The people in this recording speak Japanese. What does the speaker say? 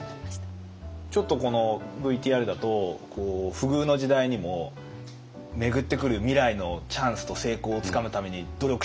ちょっとこのＶＴＲだと「不遇の時代にも巡ってくる未来のチャンスと成功をつかむために努力しろ！」